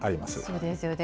そうですよね。